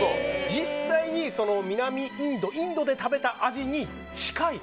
実際に南インドインドで食べた味に近い。